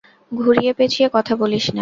ঘুরিয়ে-পেঁচিয়ে কথা বলিস না।